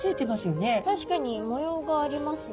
確かに模様がありますね。